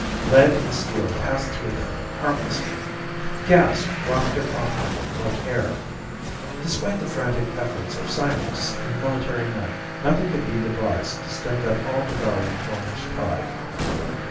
Lead and steel passed through them harmlessly. Gas wafted off them like air. Despite the frantic efforts of scientists and military men, nothing could be devised to stem that all devouring orange tide.